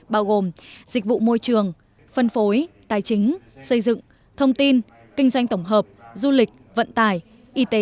bao gồm dịch vụ môi trường phân phối tài chính xây dựng thông tin kinh doanh tổng hợp du lịch vận tải y tế